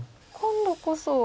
今度こそ。